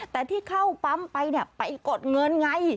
แต่ที่เข้าปั๊มไปไปกดเงินไง